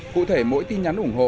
cụ thể mỗi tin nhắn ủng hộ